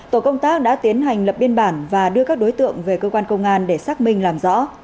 tổ công tác đã tiến hành lập biên bản và đưa các đối tượng về cơ quan công an để xác minh làm rõ